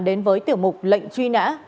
đến với tiểu mục lệnh truy nã